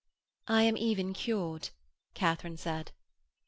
'I am even cured,' Katharine said.